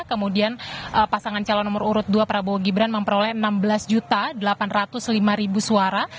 kemudian pasangan calon nomor urut dua prabowo gibran memperoleh enam belas delapan ratus lima suara